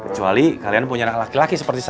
kecuali kalian punya anak laki laki seperti saya